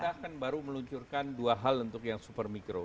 kita kan baru meluncurkan dua hal untuk yang super mikro